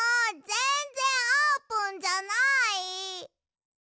ぜんぜんあーぷんじゃない！